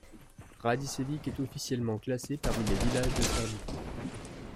Radičević est officiellement classé parmi les villages de Serbie.